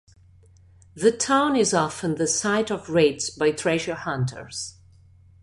The town is often the site of raids by treasure hunters.